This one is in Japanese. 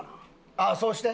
ああそうして。